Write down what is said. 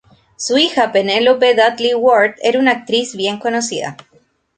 Su hija Penelope Dudley-Ward era una actriz bien conocida.